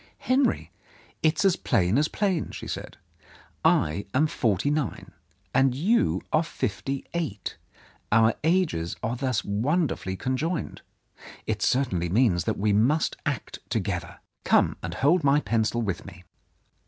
"Henry, it is as plain as plain," she said. "I am forty nine; you are fifty eight. Our ages are thus wonderfully conjoined. It certainly means that we must act together. Come and hold my pencil with me.